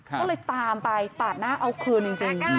ก็เลยตามไปปาดหน้าเอาคืนจริง